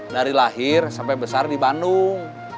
dari lahir sampai besar di bandung